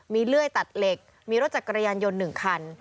มีเลื่อยตัดเหล็กมีรถจักรยานยนต์๑คัน